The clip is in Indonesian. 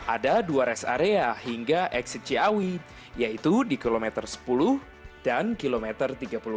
ada dua rest area hingga eksit ciawi yaitu di kilometer sepuluh dan kilometer tiga puluh empat